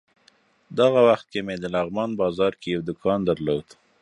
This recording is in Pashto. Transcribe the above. دغه وخت کې مې د لغمان بازار کې یو دوکان درلود.